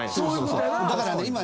だからね